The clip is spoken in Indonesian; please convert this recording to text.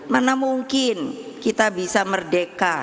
mana mungkin kita bisa merdeka